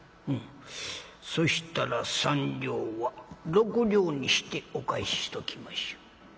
「うん。そしたら３両は６両にしてお返ししときましょう。